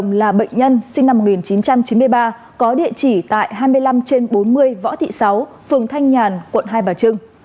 bệnh nhân là bệnh nhân sinh năm một nghìn chín trăm chín mươi ba có địa chỉ tại hai mươi năm trên bốn mươi võ thị sáu phường thanh nhàn quận hai bà trưng